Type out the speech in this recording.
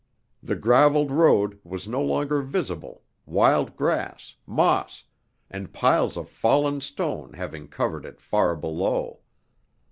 The graveled road was no longer visible, wild grass, moss, and piles of fallen stone having covered it far below.